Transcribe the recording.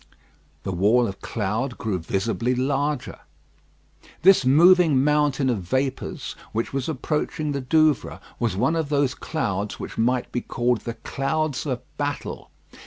The wall of cloud grew visibly larger. This moving mountain of vapours, which was approaching the Douvres, was one of those clouds which might be called the clouds of battle.